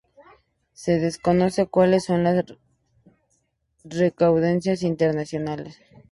Se desconoce cuales son las recaudaciones internacionales.